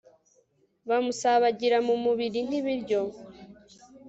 bumusabagire mu mubiri nk'ibiryo